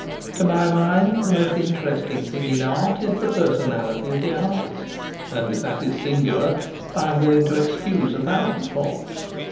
To my mind the most interesting thing in art is the personality of the artist; and if that is singular, I am willing to excuse a thousand faults.